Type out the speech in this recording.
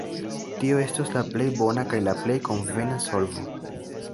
Tio estos la plej bona kaj la plej konvena solvo.